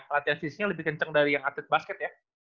latihan fisiknya lebih kencang dari yang atlet basket ya